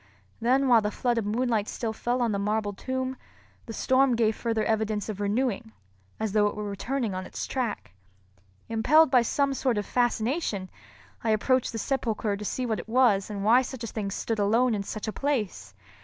Then while the flood of moonlight still fell on the marble tomb, the storm gave further evidence of renewing, as though it were returning on its track. Impelled by some sort of fascination, I approached the sepulchre to see what it was and why such a thing stood alone in such a place.